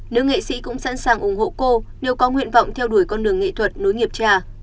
nữ nghệ sĩ cũng sẵn sàng ủng hộ cô nếu có nguyện vọng theo đuổi con đường nghệ thuật nối nghiệp trà